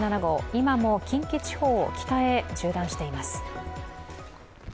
今も近畿地方を北へ縦断しています。